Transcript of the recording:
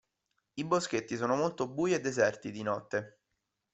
I Boschetti sono molto bui e deserti di notte.